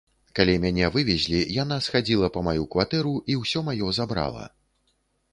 Калі мяне вывезлі, яна схадзіла па маю кватэру і ўсё маё забрала.